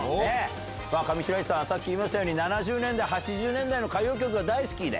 上白石さんはさっき言いましたように、７０年代、８０年代の歌謡曲が大好きで。